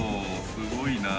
すごいなぁ。